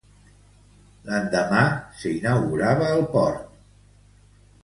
L'endemà, s'inaugurava el port de Torrero.